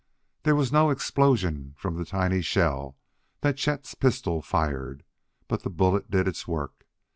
There was no explosion from the tiny shell that Chet's pistol fired, but the bullet did its work.